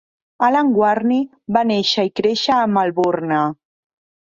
Alan Wearne va néixer i créixer a Melbourne.